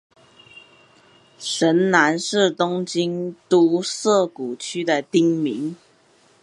神南是东京都涩谷区的町名。